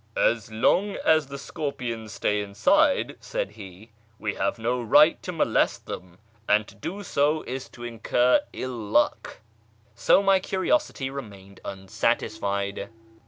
" As long as he scorpions stay inside," said he, " we have no right to lolest them, and to do so is to incur ill luck." So my iiriosity remained unsatisfied.